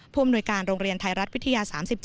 อำนวยการโรงเรียนไทยรัฐวิทยา๓๗